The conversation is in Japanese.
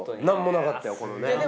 何もなかったよこのね。